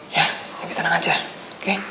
ya bibi tenang aja oke